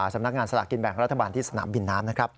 สำนักงานสลากกินแบ่งรัฐบาลที่สนามบินน้ำนะครับ